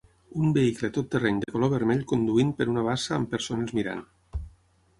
Un vehicle tot terreny de color vermell conduint per una bassa amb persones mirant.